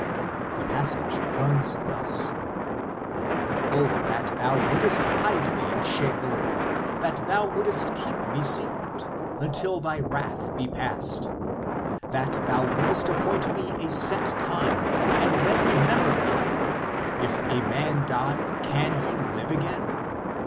The passage runs thus :" Oh that Thou wouldest hide me in Sheol, that Thou wouldest keep me secret, Until Thy wrath be past ; that Thou wouldest appoint me a set time and then remember me ! If a man die, can he live again